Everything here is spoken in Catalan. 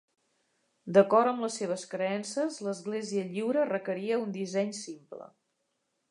D'acord amb les seves creences, l'Església lliure requeria un disseny simple.